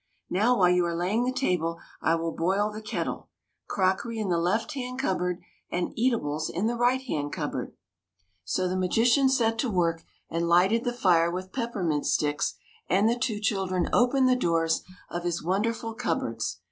Now, while you are laying the table, I will boil the kettle. Crockery in the left hand cupboard, and eatables in the right hand cupboard !" THE MAGICIAN'S TEA PARTY 37 So the magician set to work and lighted the fire vv^ith peppermint sticks, and the two chil dren opened the doors of his wonderful cup boards.